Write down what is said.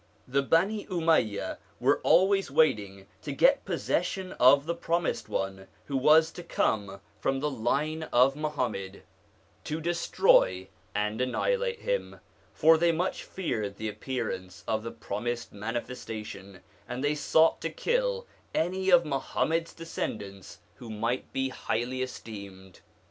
The Bani Umayya were always waiting to get possession of the Promised One who was to come from the line of Muhammad, to destroy and annihilate him ; for they much feared the appearance of the promised Manifestation, and they sought to kill any of Muhammad's descendants who might be highly esteemed.